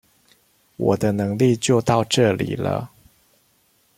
我的能力就到這裡了